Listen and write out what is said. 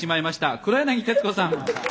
黒柳徹子さん。